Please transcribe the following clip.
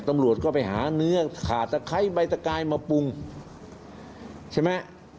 ตำรวจก็ไปหาเนื้อขาดตะไคร้ใบตะกายมาปรุงใช่ไหม